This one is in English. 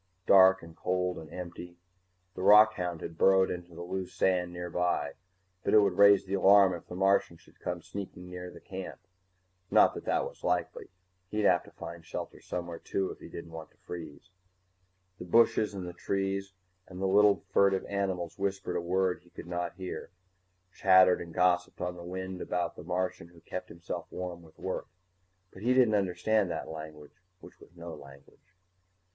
Dark and cold and empty. The rockhound had burrowed into the loose sand nearby, but it would raise the alarm if the Martian should come sneaking near the camp. Not that that was likely he'd have to find shelter somewhere too, if he didn't want to freeze. _The bushes and the trees and the little furtive animals whispered a word he could not hear, chattered and gossiped on the wind about the Martian who kept himself warm with work. But he didn't understand that language which was no language.